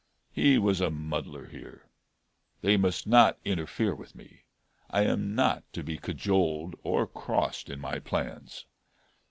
He was a muddler here. They must not interfere with me; I am not to be cajoled or crossed in my plans.